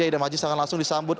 idam aziz akan langsung disambut